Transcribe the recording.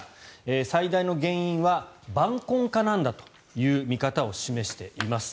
最大の原因は晩婚化なんだという見方を示しています。